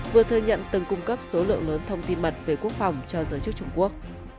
vừa thừa nhận từng cung cấp số lượng lớn thông tin mật về quốc phòng cho giới chức trung quốc